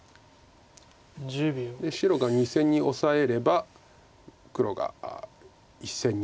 白が２線にオサえれば黒が１線にサガるか。